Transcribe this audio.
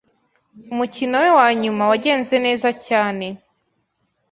Umukino we wanyuma wagenze neza cyane.